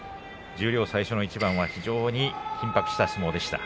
十両最初の一番は緊迫した相撲でした。